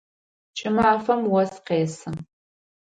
Кӏымафэм ос къесы.